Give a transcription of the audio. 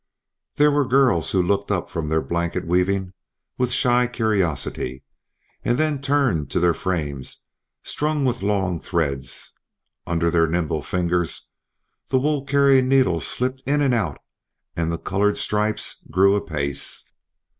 There were girls who looked up from their blanket weaving with shy curiosity, and then turned to their frames strung with long threads. Under their nimble fingers the wool carrying needles slipped in and out, and the colored stripes grew apace.